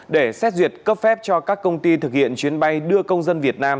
để xét duyệt cấp phép cho các công ty thực hiện chuyến bay đưa công dân việt nam